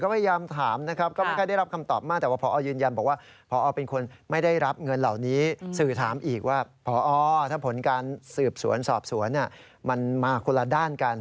เพราะเอาจะทำอย่างไร